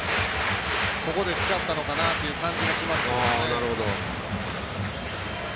ここで使ったのかなという感じもしますけどね。